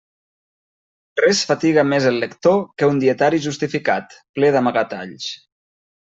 Res fatiga més el lector que un dietari justificat, ple d'amagatalls.